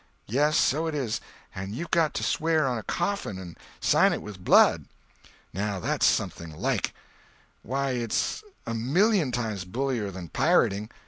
"Yes, so it is. And you've got to swear on a coffin, and sign it with blood." "Now, that's something like! Why, it's a million times bullier than pirating.